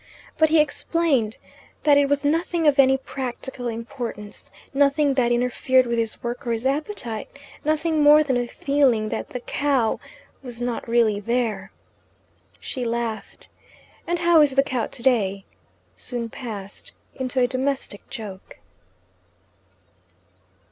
But he explained that it was nothing of any practical importance, nothing that interfered with his work or his appetite, nothing more than a feeling that the cow was not really there. She laughed, and "how is the cow today?" soon passed into a domestic joke.